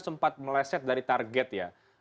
sempat meleset dari target ya